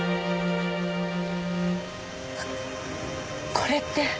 これって！